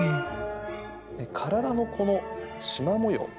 体のこのしま模様